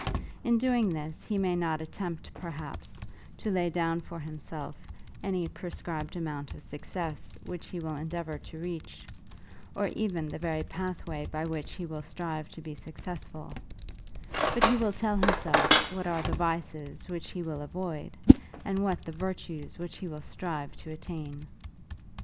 In doing this he may not attempt, perhaps, to lay down for himself any prescribed amount of success which he will endeavour to reach, or even the very pathway by which he will strive to be successful; but he will tell himself what are the vices which he will avoid, and what the virtues which he will strive to attain.